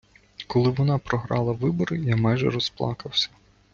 Коли вона програла вибори, я майже розплакався.